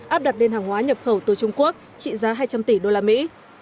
áp đặt lên hàng hóa nhập khẩu từ trung quốc trị giá hai trăm linh tỷ đô la mỹ